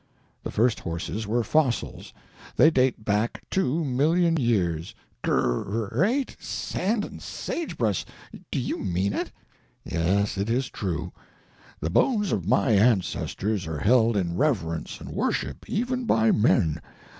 The first horses were fossils. They date back two million years." "Gr eat sand and sage brush! do you mean it?" "Yes, it is true. The bones of my ancestors are held in reverence and worship, even by men.